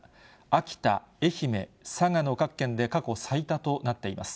秋田、愛媛、佐賀の各県で過去最多となっています。